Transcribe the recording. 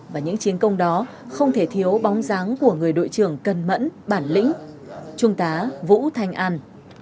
và những chiến công đó không thể thiếu bóng dáng của người đội trưởng cần mẫn bản lĩnh trung tá vũ thanh an